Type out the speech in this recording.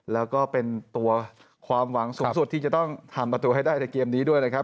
แล้วก็เป็นตัวความหวังสูงสุดที่จะต้องทำประตูให้ได้ในเกมนี้ด้วยนะครับ